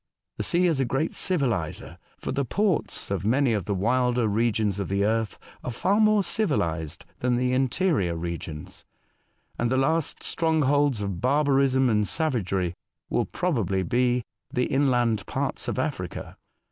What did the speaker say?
The sea is a great civiHser, for the ports of many of the wilder resrions of the earth are far more civilised than the interior regions ; and the last strongholds of barbarism and savagery will probably be the inland parts of Africa.